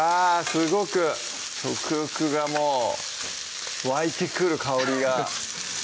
すごく食欲がもう湧いてくる香りがしてますね